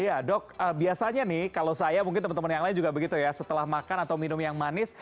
iya dok biasanya nih kalau saya mungkin teman teman yang lain juga begitu ya setelah makan atau minum yang manis